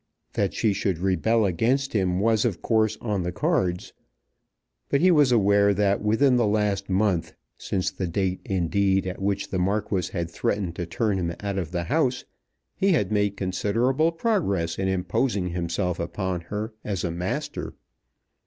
That she should rebel against him was of course on the cards. But he was aware that within the last month, since the date, indeed, at which the Marquis had threatened to turn him out of the house, he had made considerable progress in imposing himself upon her as a master.